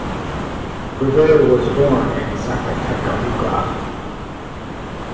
Rivera was born in Zacatecoluca.